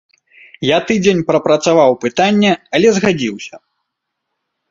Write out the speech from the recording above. Я тыдзень прапрацаваў пытанне, але згадзіўся.